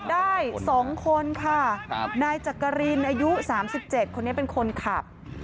ได้๒คนค่ะนายจักรินอายุ๓๗คนนี้เป็นคนขับ